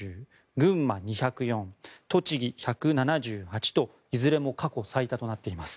群馬２０４栃木１７８といずれも過去最多となっています。